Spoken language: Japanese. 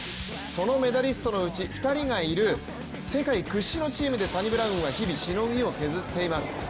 そのメダリストのうち２人がいる世界屈指のチームでサニブラウンは日々しのぎを削っています。